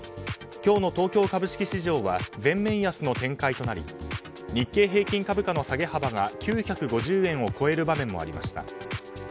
今日の東京株式市場は全面安の展開となり日経平均株価の下げ幅が９５０円を超える場面もありました。